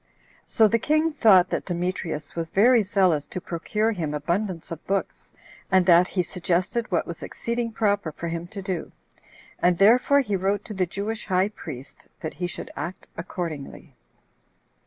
So the king thought that Demetrius was very zealous to procure him abundance of books, and that he suggested what was exceeding proper for him to do; and therefore he wrote to the Jewish high priest, that he should act accordingly.